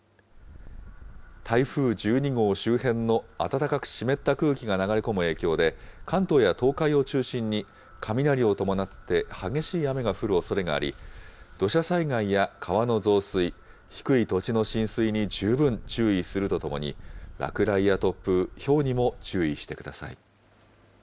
台風１２号周辺の暖かく湿った空気が流れ込む影響で、関東や東海を中心に、雷を伴って激しい雨が降るおそれがあり、土砂災害や川の増水、低い土地の浸水に十分注意するとともに、落雷や突風、ひょうにも注意してください。